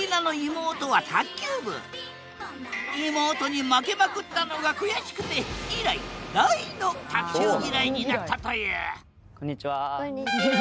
妹に負けまくったのが悔しくて以来大の卓球ぎらいになったというこんにちは。